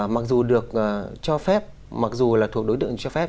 mặc dù được cho phép mặc dù là thuộc đối tượng cho phép